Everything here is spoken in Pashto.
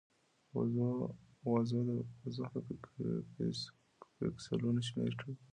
وضوح د پیکسلونو شمېر ښيي.